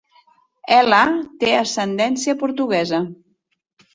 Ela té ascendència portuguesa.